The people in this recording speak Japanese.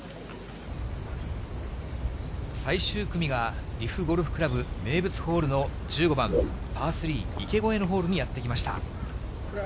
最終組が、利府ゴルフ倶楽部名物ホールの１５番パー３、池越えのホールにやって来ました。